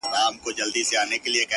o نن: سیاه پوسي ده،